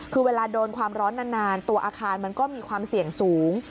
คือเวลาโดนความร้อนนานตัวอาคารมันก็มีความเสี่ยงสูง